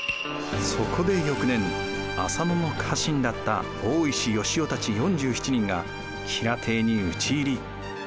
そこで翌年浅野の家臣だった大石良雄たち４７人が吉良邸に討ち入り。